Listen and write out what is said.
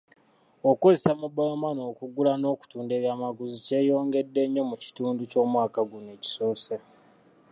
Okukozesa mobile money okugula n'okutunda ebyamaguzi kyeyongedde nnyo mu kitundu ky'omwaka guno ekisoose.